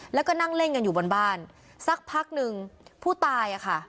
แล้วก็นั่งเล่นกันอยู่บนบ้านสักพักหนึ่งผู้ตายอ่ะค่ะ